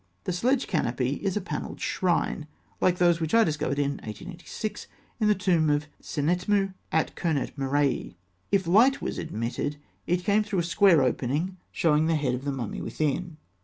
The sledge canopy is a panelled shrine, like those which I discovered in 1886, in the tomb of Sennetmû at Kûrnet Murraee. If light was admitted, it came through a square opening, showing the head of the mummy within.